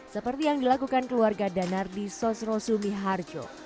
seperti yang dilakukan keluarga danar di sosrosumi harjo